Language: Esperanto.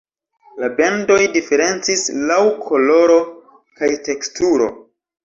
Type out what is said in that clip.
La bendoj diferencis laŭ koloro kaj teksturo.